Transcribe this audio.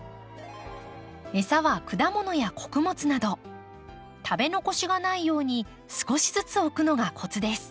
餌は果物や穀物など食べ残しがないように少しずつ置くのがコツです。